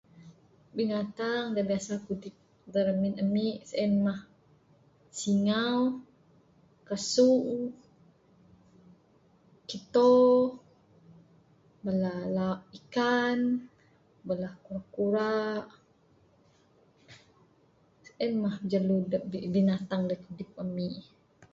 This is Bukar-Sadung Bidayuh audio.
Binatang da biasa kudip da ramin ami, en mah singau, kasung, kito, bala la ikan, bala kura kura. En mah jelu da binatang da kudip ami.